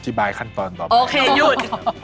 บายขั้นตอนต่อไปโอเคหยุด